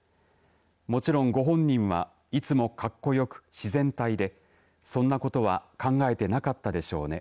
もちろんご本人はいつもかっこよく自然体でそんなことは考えてなかったでしょうね。